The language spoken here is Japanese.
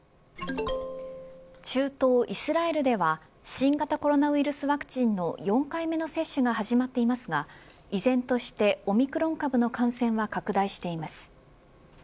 中東イスラエルでは新型コロナウイルスワクチンの４回目の接種が始まっていますが依然としてオミクロン株の感染は拡大しています。